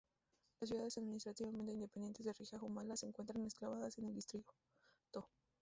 Las ciudades administrativamente independientes de Riga y Jūrmala se encuentran enclavadas en el distrito.